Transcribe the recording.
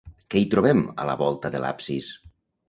Què hi trobem a la volta de l'absis?